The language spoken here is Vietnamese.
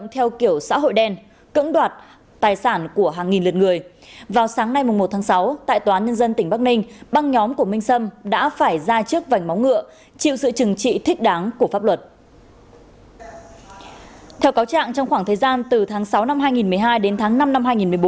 theo cáo trạng trong khoảng thời gian từ tháng sáu năm hai nghìn một mươi hai đến tháng năm năm hai nghìn một mươi bốn